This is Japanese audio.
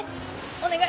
お願い。